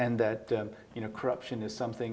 dan korupsi adalah sesuatu yang